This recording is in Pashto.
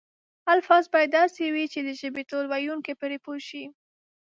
الفاظ باید داسې وي چې د ژبې ټول ویونکي پرې پوه شي.